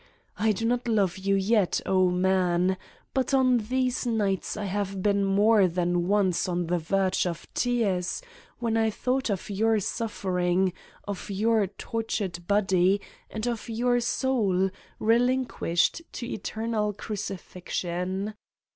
I do not love you yet, oh man, but on these nights I 146 Satan's Diary have been more than once on the verge of tears when I thought of your suffering, of your tor tured body, and of your soul, relinquished to eter nal crucifixion.